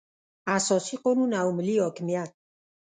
اساسي قانون او ملي حاکمیت.